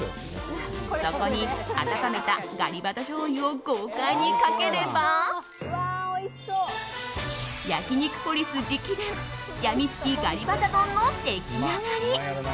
そこに、温めたガリバタ醤油を豪快にかければ焼肉ポリス直伝やみつきガリバタ丼の出来上がり。